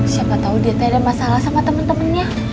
siapa tau denitnya ada masalah sama temen temennya